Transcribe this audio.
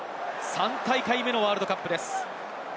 ３大会目のワールドカップです。